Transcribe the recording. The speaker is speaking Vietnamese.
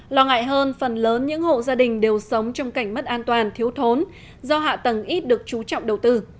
lo ngại hơn phần lớn những hộ gia đình đều sống trong cảnh mất an toàn thiếu thốn do hạ tầng ít được chú trọng đầu tư